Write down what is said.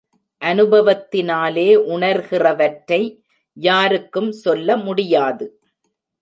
அநுபவத்தினாலே உணர்கிறவற்றை யாருக்கும் சொல்ல முடியாது.